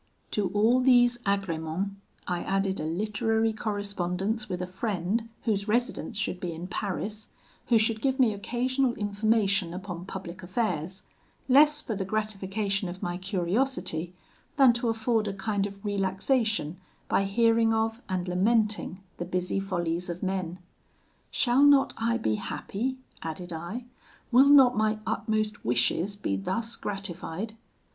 To all these agremens I added a literary correspondence with a friend whose residence should be in Paris, who should give me occasional information upon public affairs, less for the gratification of my curiosity, than to afford a kind of relaxation by hearing of and lamenting the busy follies of men. 'Shall not I be happy?' added I; 'will not my utmost wishes be thus gratified?'